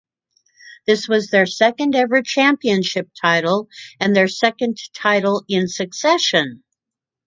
This was their second ever championship title and their second title in succession.